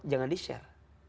jangan di share